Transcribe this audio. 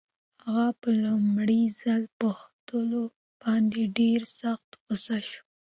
اغا په لومړي ځل پوښتلو باندې ډېر سخت غوسه شو.